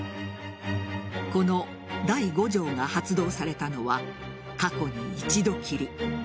この第５条が発動されたのは過去に一度きり。